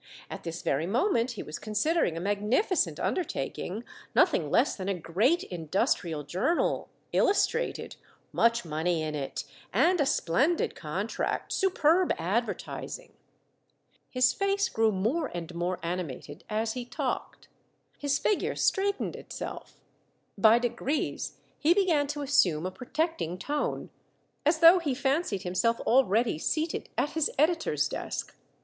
At this very moment he was considering a magnificent under taking, nothing less than a great industrial journal, illustrated ! Much money in it, and a splendid contract, superb advertising ! His face grew more and more animated as he talked. His figure straightened itself By degrees, he began to as sume a protecting tone, as though he fancied him self already seated at his editor's desk.